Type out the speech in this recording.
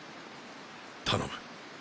頼む。